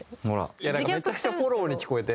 いやなんかめちゃくちゃフォローに聞こえて。